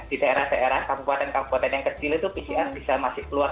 di daerah daerah kabupaten kabupaten yang kecil itu pcr bisa masih keluar